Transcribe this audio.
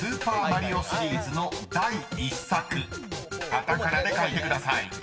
［カタカナで書いてください］